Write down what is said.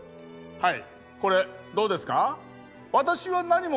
はい。